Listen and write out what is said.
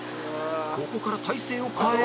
ここから体勢を変え